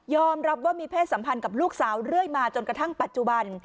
รับว่ามีเพศสัมพันธ์กับลูกสาวเรื่อยมาจนกระทั่งปัจจุบัน